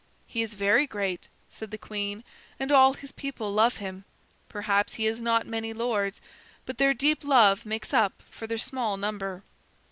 "He is very great," said the queen. "And all his people love him. Perhaps he has not many lords, but their deep love makes up for their small number."